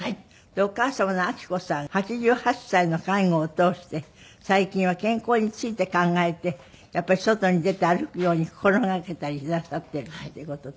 お母様の昭子さん８８歳の介護を通して最近は健康について考えてやっぱり外に出て歩くように心がけたりなさってるという事で。